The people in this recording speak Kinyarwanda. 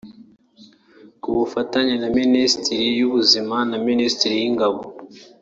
ku bufatanye na Minisiteri y’Ubuzima na Minisiteri y’Ingabo